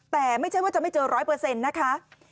แต่ไม่ใช่ว่าจะไม่เจอ๑๐๐นะคะ